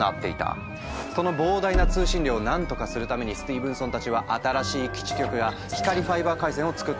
その膨大な通信量をなんとかするためにスティーブンソンたちは新しい基地局や光ファイバー回線を作った。